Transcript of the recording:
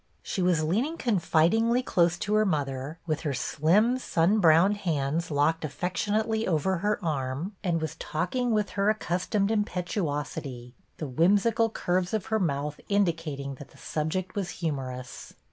She was leaning confidingly close to her mother, with her slim sun browned hands locked affectionately over her arm, and was talking with her accustomed impetuosity, the whimsical curves of her mouth indicating that the subject was humorous.